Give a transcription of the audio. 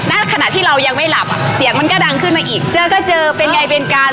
ขณะที่เรายังไม่หลับอ่ะเสียงมันก็ดังขึ้นมาอีกเจอก็เจอเป็นไงเป็นกัน